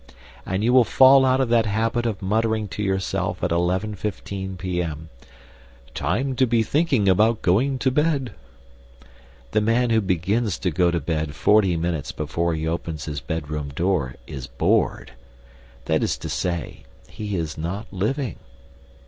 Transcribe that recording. And you will fall out of that habit of muttering to yourself at 11.15 p.m., "Time to be thinking about going to bed." The man who begins to go to bed forty minutes before he opens his bedroom door is bored; that is to say, he is not living.